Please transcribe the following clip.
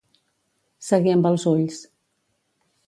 Seguir amb els ulls.